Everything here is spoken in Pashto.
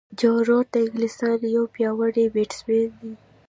جو روټ د انګلستان یو پیاوړی بیټسمېن دئ.